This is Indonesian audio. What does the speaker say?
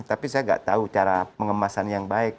tapi saya nggak tahu cara pengemasan yang baik